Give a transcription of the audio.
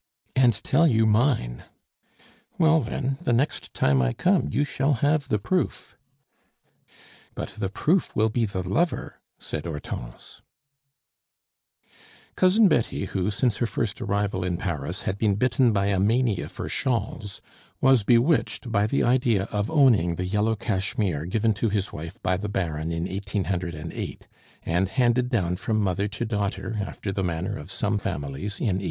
"And tell you mine." "Well, then, the next time I come you shall have the proof." "But the proof will be the lover," said Hortense. Cousin Betty, who, since her first arrival in Paris, had been bitten by a mania for shawls, was bewitched by the idea of owning the yellow cashmere given to his wife by the Baron in 1808, and handed down from mother to daughter after the manner of some families in 1830.